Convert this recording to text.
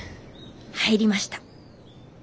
入りました。